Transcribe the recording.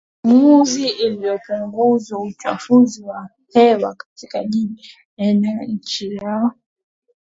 maamuzi ili kupunguza uchafuzi wa hewa katika jiji eneo nchi yao